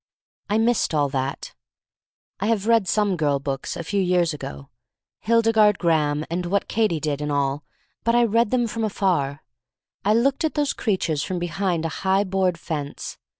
I missed all that. I have read some girl books, a few years ago — "Hildegarde Grahame," and "What Katy Did," and all,— but I read them from afar. I looked at those creatures from behind a high board fence.